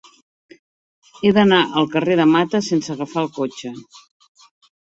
He d'anar al carrer de Mata sense agafar el cotxe.